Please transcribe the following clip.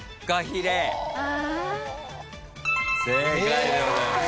正解でございます。